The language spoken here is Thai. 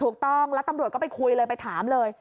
ถูกต้องแล้วตำรวจก็ไปคุยเลยไปถามเลย